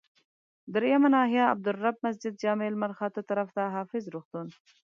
دریمه ناحيه، عبدالرب مسجدجامع لمرخاته طرف، حافظ روغتون.